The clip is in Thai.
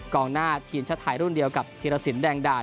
หน้าทีมชาติไทยรุ่นเดียวกับธีรสินแดงดา